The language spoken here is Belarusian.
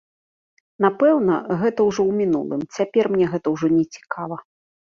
Напэўна, гэта ўжо ў мінулым, цяпер мне гэта ўжо не цікава.